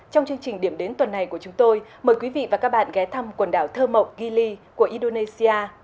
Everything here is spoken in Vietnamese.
trong chương trình điểm đến tuần này của chúng tôi mời quý vị và các bạn ghé thăm quần đảo thơ mộng gili của indonesia